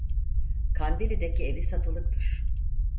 Kandilli'deki evi satılıktır.